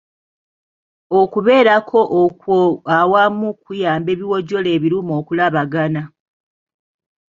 Okubeerako okwo awamu kuyamba ebiwojjolo ebirume okulabagana.